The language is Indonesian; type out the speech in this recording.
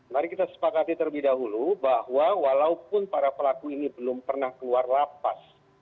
mari kita sepakati terlebih dahulu bahwa walaupun para pelaku ini belum pernah keluar lapas